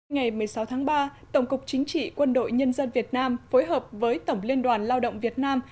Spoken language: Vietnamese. ngày một mươi sáu tháng ba tổng cục chính trị quân đội nhân dân việt nam phối hợp với tổng liên đoàn lao động việt nam